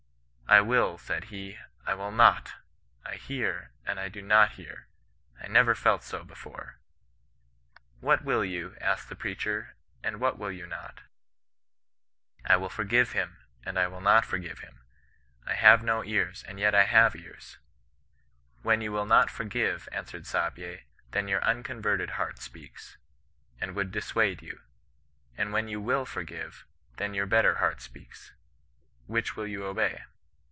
' I will,' said he, ' I will not — I hear, and I do not hear. I never felt bo before.' 'What will you,' asked tlie pmacber, and what 17111 yo\x not V ' linll for^ve hiiSi CHRISTIAN Js^ON EESISTANCE. 161 and I will not forgive him ; I have no ears, and yet I have ears.' *When you will not forgive,' answered Saahye, * then your unconverted heart speaks, and would dissuade you; and when you will forgive, then your better heart speaks. Which will you obey.'